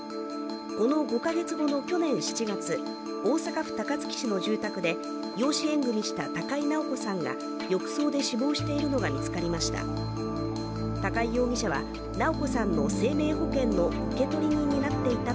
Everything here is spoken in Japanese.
この５カ月後の去年７月大阪府高槻市の住宅で養子縁組した高井直子さんが浴槽で死亡しているのが見つかりました。